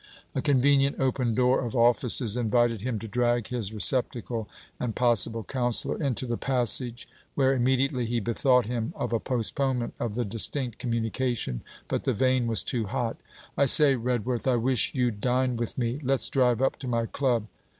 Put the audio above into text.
A convenient open door of offices invited him to drag his receptacle, and possible counsellor, into the passage, where immediately he bethought him of a postponement of the distinct communication; but the vein was too hot. 'I say, Redworth, I wish you'd dine with me. Let's drive up to my Club.